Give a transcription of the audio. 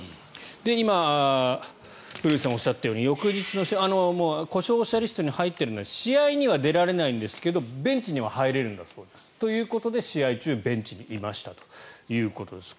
今古内さんがおっしゃったように翌日の試合故障者リストには入っているので試合には出られないですがベンチには入れるということで試合中、ベンチにいましたということです。